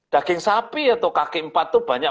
daging sapi atau kaki empat itu banyak